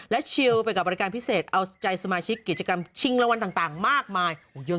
และชิลไปกับบริการพิเศษเอาใจสมาชิกกิจกรรมชิงรางวัลต่างมากมาย